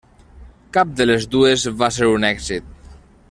Cap de les dues va ser un èxit.